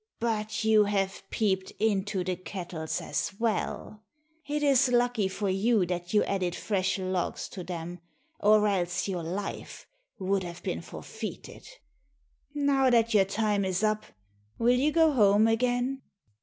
"But you have peeped into the kettles as well; it is lucky for you that you added fresh logs to them, or else your life would have been forfeited; now that your time is up, will you go home again?"